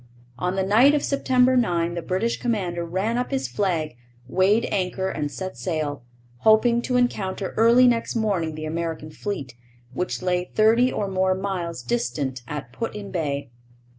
On the night of September 9 the British commander ran up his flag, weighed anchor, and set sail, hoping to encounter early next morning the American fleet, which lay thirty or more miles distant at Put in Bay.